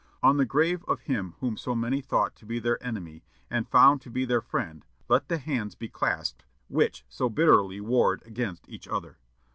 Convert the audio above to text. On the grave of him whom so many thought to be their enemy, and found to be their friend, let the hands be clasped which so bitterly warred against each other.